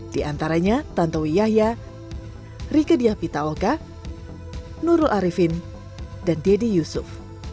di antaranya tantowi yahya rike diah pitaoka nurul arifin dan deddy yusuf